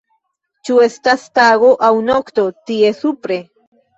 Ĉu estas tago aŭ nokto, tie, supre?